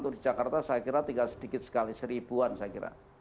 untuk di jakarta saya kira tinggal sedikit sekali seribuan saya kira